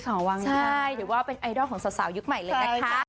แต่ว่าชุ่มชื่นหัวใจอ่ะค่ะ